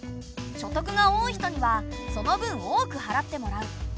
所得が多い人にはその分多く払ってもらう。